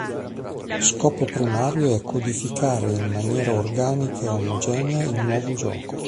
Scopo primario è codificare in maniera organica e omogenea il nuovo gioco.